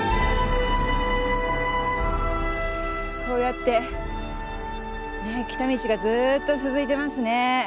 こうやって来た道がずっと続いてますね。